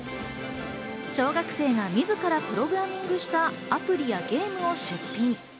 小学生が自らのプログラミングしたアプリやゲームを出品。